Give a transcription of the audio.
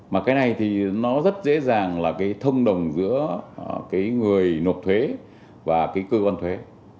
mà cái này thì nó rất dễ dàng là cái thông đồng giữa cái người nộp thuế và cái cơ quan thuế